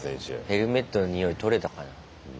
ヘルメットのにおい取れたかな。